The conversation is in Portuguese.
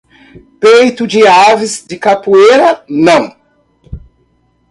Peitos de aves de capoeira não.